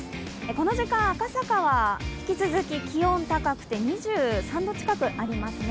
この時間、赤坂は引き続き気温が高くて２３度近くありますね。